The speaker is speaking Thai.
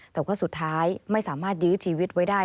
แต่ว่าสุดท้ายไม่สามารถยื้อชีวิตไว้ได้